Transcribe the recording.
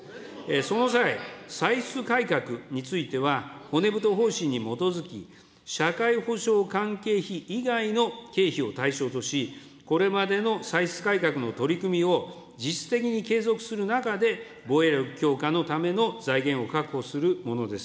その際、歳出改革については、骨太方針に基づき、社会保障関係費以外の経費を対象とし、これまでの歳出改革の取り組みを実質的に継続する中で、防衛力強化のための財源を確保するものです。